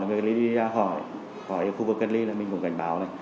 người cất ly đi ra khỏi khu vực cất ly là mình cũng cảnh báo